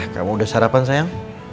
kamu udah sarapan sayang